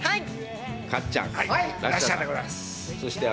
かっちゃん。